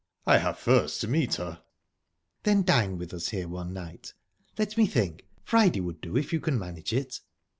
"I have first to meet her." "Then dine with us here one night. Let me think...Friday would do, if you can manage it?"